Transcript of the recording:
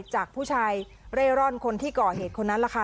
จากผู้ชายเร่ร่อนคนที่ก่อเหตุคนนั้นแหละค่ะ